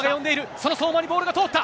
その相馬にボールが通った。